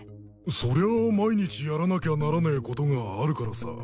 そりゃあ毎日やらなきゃならねえことがあるからさ。